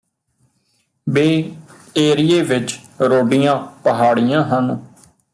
Bay ਏਰੀਏ ਵਿਚ ਰੋਡੀਆਂ ਪਹਾੜੀਆਂ ਬਹੁਤ ਹਨ